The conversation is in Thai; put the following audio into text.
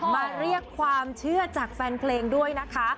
มาเรียกความเชื่อจากแฟนเพลงด้วยนะคะ